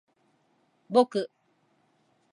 ぼく